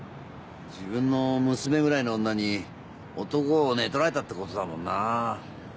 自分の娘ぐらいの女に男を寝取られたってことだもんな。